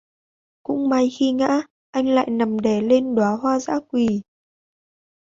Cũng may Khi ngã anh lại nằm đè lên đóa hoa dã quỳ